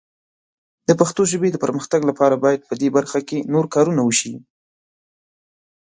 د پښتو ژبې د پرمختګ لپاره باید په دې برخه کې نور کارونه وشي.